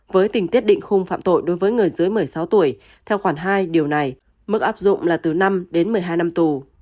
với tình tiết định khung phạm tội đối với người dưới một mươi sáu tuổi theo khoản hai điều này mức áp dụng là từ năm đến một mươi hai năm tù